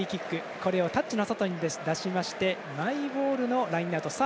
これをタッチの外に出しましてマイボールのラインアウト。